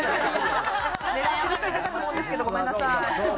狙ってる人いたかと思うんですけどごめんなさい。